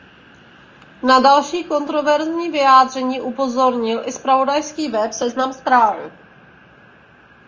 Na další kontroverzní vyjádření upozornil i zpravodajský web Seznam zprávy.